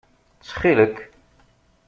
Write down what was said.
Ttxil-k.